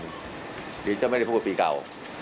ที่จะพี่จะไม่ได้พูดปีเก่า